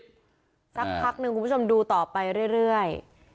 สักพักหนึ่งคุณผู้ชมดูต่อไปเรื่อย